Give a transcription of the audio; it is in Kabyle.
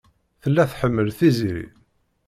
Tella tḥemmel Tiziri.